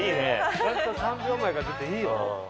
ちゃんと３秒前が出ていいよ。